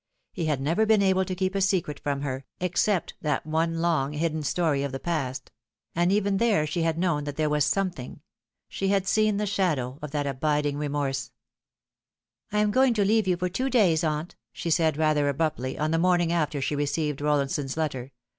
He had never been able to keep a secret from her, except that one long hidden story of the past ; and even there she had known that there was something. She had seen the shadow of that abiding remorse. " I am going to leave you for two days, aunt," she said rather abruptly, on the morning after she received Rolh'nson's letter.